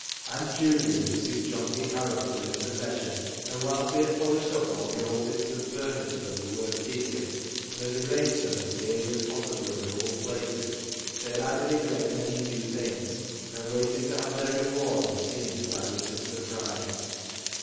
Aunt Judy and Mrs. Johnty Harrop were in possession, and whilst they had polished up all the old bits of furniture that were worth keeping, and had arranged them as nearly as possible in the old places, they had added a great many new things, and waited to have their reward in seeing Silas' surprise.